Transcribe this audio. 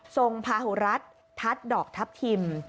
พาหุรัฐทัศน์ดอกทัพทิม